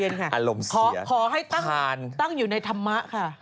อื้มอารมณ์เสียเพราะพอให้ตั้งอยู่ในธรรมะค่ะ